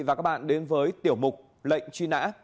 và các bạn đến với tiểu mục lệnh truy nã